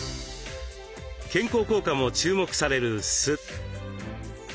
健康効果も注目される酢。